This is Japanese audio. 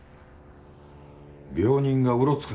病人がうろつくな。